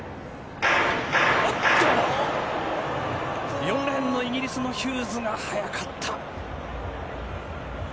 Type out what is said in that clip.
おっと、４レーンのイギリスのヒューズが速かった。